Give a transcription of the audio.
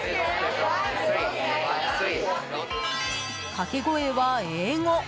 かけ声は英語。